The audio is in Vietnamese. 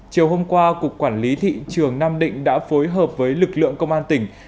chiều hôm qua cục quản lý thị trường nam định đã phối hợp với lực lượng công an tỉnh